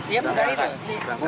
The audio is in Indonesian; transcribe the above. iya bongkar itu